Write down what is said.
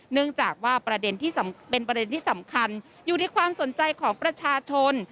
เนื่องจากว่าประเด็นที่เป็นประเด็นที่สำคัญอยู่ในความสนใจของประชาชน